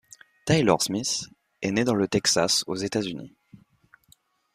Taylor Smith est né dans le Texas, aux Etats-Unis.